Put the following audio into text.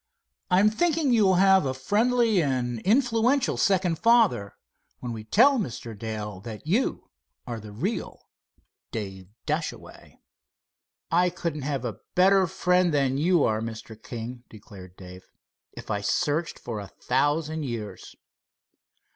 I'm thinking you'll have a friendly and influential second father, when we tell Mr. Dale that you are the real Dave Dashaway." "I couldn't have a better friend than you are, Mr. King," declared Dave, "if I searched for a thousand years."